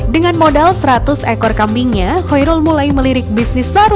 dengan modal seratus ekor kambingnya khairul mulai melirik bisnis baru